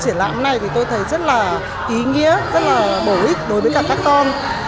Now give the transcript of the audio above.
triển lãm này thì tôi thấy rất là ý nghĩa rất là bổ ích đối với cả các con